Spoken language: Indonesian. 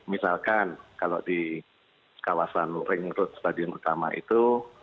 misalkan kalau di kawasan ring road stadion utama itu